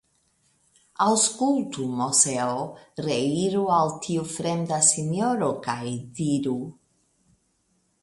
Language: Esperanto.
Aŭskultu, Moseo; reiru al tiu fremda sinjoro kaj diruk